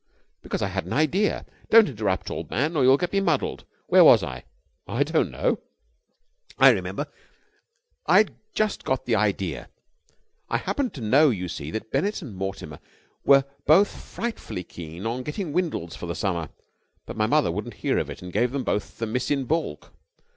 "Because I had an idea. Don't interrupt, old man, or you'll get me muddled. Where was I?" "I don't know." "I remember. I'd just got the idea. I happened to know, you see, that Bennett and Mortimer were both frightfully keen on getting Windles for the summer, but my mother wouldn't hear of it and gave them both the miss in baulk.